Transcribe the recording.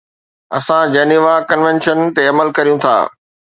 اسان Geneva convention تي عمل ڪريون ٿا.